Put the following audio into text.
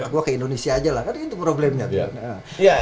gue ke indonesia aja lah kan itu problemnya tuh